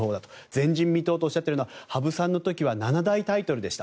前人未到とおっしゃっているのは羽生さんの時には七大タイトルでした。